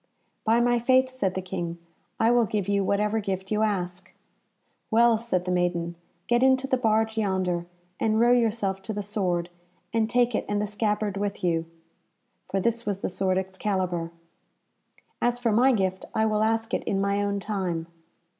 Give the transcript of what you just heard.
"By my faith," said the King, "I will give you whatever gift you ask." "Well," said the maiden, "get into the barge yonder, and row yourself to the sword, and take it and the scabbard with you." For this was the sword Excalibur. "As for my gift, I will ask it in my own time."